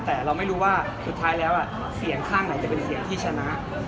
แต่เราไม่รู้ว่าสุดท้ายแล้วเสียงข้างไหนจะเป็นเสียงที่ชนะ